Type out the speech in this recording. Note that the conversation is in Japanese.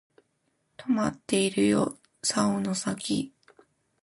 とまっているよ竿の先